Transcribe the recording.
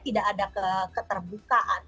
tidak ada keterbukaan